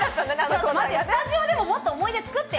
スタジオでももっと思い出を作ってよ。